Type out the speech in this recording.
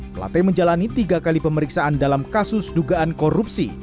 plate menjalani tiga kali pemeriksaan dalam kasus dugaan korupsi